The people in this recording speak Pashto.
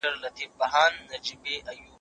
موبایل د زده کوونکي له خوا کارول کيږي!!